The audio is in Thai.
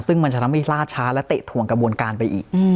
ซึ่งมันจะทำให้ล่าช้าและเตะถ่วงกระบวนการไปอีก